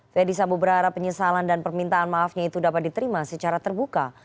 ferdisambo berharap penyesalan dan permintaan maafnya itu dapat diterima secara terbuka